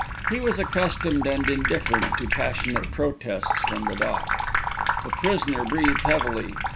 He was accustomed and indifferent to passionate protests from the dock. The prisoner breathed heavily.